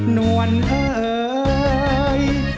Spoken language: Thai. นวลเอ่ย